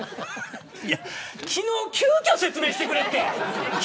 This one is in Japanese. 昨日、急きょ説明してくれって。